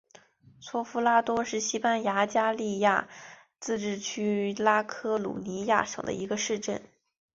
索夫拉多是西班牙加利西亚自治区拉科鲁尼亚省的一个市镇。